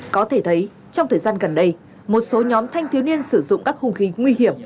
có thể thấy trong thời gian gần đây một số nhóm thanh thiếu niên sử dụng các hung khí nguy hiểm